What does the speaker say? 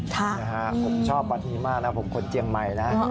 ผมชอบวันนี้มากบนเจียงใหม่นะ